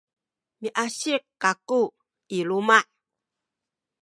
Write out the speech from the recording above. miasik kaku i luma’.